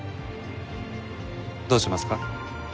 どうしますか？